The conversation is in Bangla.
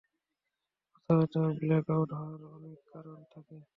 মাথাব্যথা ও ব্ল্যাকআউট হওয়ার অনেক কারণ থাকে।